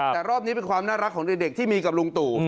แต่รอบนี้เป็นความน่ารักของเด็กที่มีกับลุงตู่